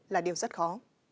là điều rất khó